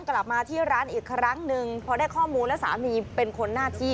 กลับมาที่ร้านอีกครั้งหนึ่งพอได้ข้อมูลแล้วสามีเป็นคนหน้าที่